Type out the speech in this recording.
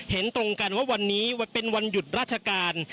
เห็นตรงกันว่าวันนี้เป็นวันหยุดราชการ